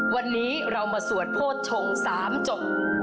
วันนี้เรามาสวดโภชง๓จบ